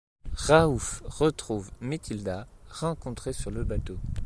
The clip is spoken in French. Raouf retrouve Métilda, rencontrée sur le bateau.